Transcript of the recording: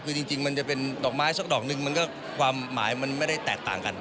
คือจริงมันจะเป็นดอกไม้สักดอกนึงมันก็ความหมายมันไม่ได้แตกต่างกัน